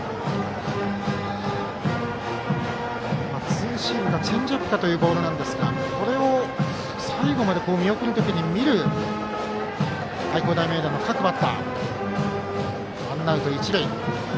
ツーシームかチェンジアップかというボールなんですがこれを最後まで見送る時に見る愛工大名電の各バッター。